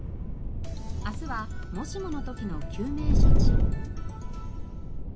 明日はもしもの時の救命処置。